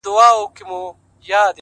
ماته ستا سونډې ماته ستا د مخ څېره راښيي